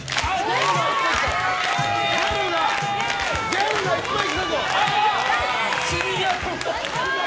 ギャルがいっぱい来たぞ！